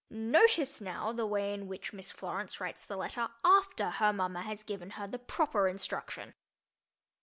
Notice, now, the way in which Miss Florence writes the letter after, her mama has given her the proper instruction.